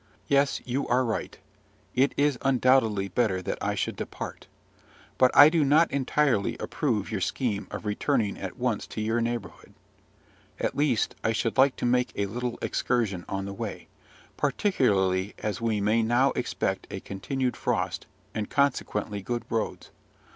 Yes, you are right: it is undoubtedly better that I should depart. But I do not entirely approve your scheme of returning at once to your neighbourhood; at least, I should like to make a little excursion on the way, particularly as we may now expect a continued frost, and consequently good roads.